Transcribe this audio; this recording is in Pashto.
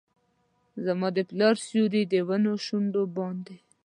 زما د پلار سیوري ، د ونو شونډو باندې